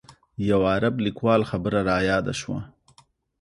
یو عرب لیکوال خبره رایاده شوه.